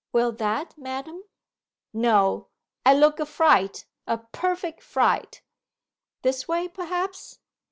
'Will that, madam?' 'No, I look a fright a perfect fright!' 'This way, perhaps?